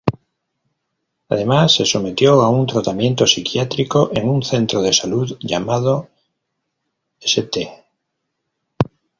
Además se sometió a un tratamiento psiquiátrico en un centro de salud llamado, St.